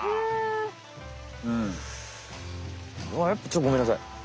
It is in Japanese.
ちょっとごめんなさい。